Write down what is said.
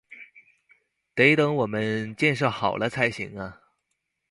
得等我们建设好了才行啊